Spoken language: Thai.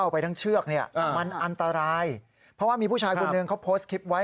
เพราะว่ามีผู้ชายคุณหนึ่งเขาโพสต์คลิปไว้